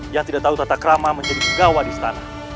yang tidak tahu tata krama menjadi pegawai di istana